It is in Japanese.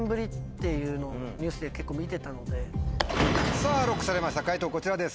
さぁＬＯＣＫされました解答こちらです。